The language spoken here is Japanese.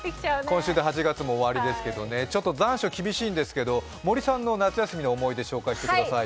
今週で８月も終わりですけど、残暑厳しいんですけど森さんの夏休みの思い出、紹介してください。